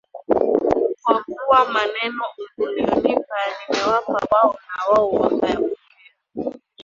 Kwa kuwa maneno uliyonipa nimewapa wao nao wakayapokea